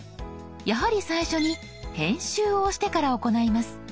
やはり最初に「編集」を押してから行います。